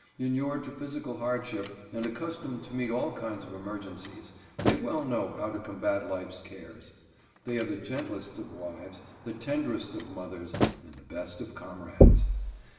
Inured to physical hardship, and accustomed to meet all kinds of emergencies, they well know how to combat life's cares. They are the gentlest of wives, the tenderest of mothers, and the best of comrades.